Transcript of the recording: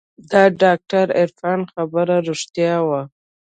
د ډاکتر عرفان خبره رښتيا وه.